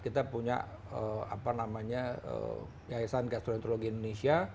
kita punya apa namanya yayasan gastroenterologi indonesia